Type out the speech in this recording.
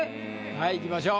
はいいきましょう。